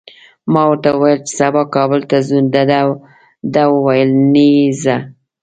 ما ورته وویل چي سبا کابل ته ځو، ده وویل نېخه!